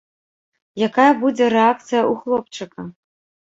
Якая будзе рэакцыя ў хлопчыка?